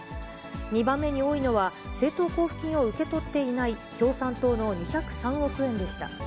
２番目に多いのは、政党交付金を受け取っていない共産党の２０３億円でした。